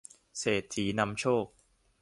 เศรษฐีนำโชค